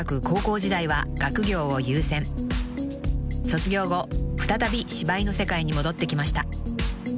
［卒業後再び芝居の世界に戻ってきました］